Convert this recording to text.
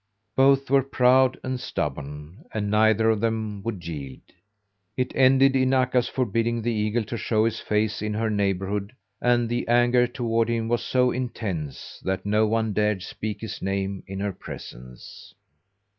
Both were proud and stubborn, and neither of them would yield. It ended in Akka's forbidding the eagle to show his face in her neighbourhood, and her anger toward him was so intense that no one dared speak his name in her presence.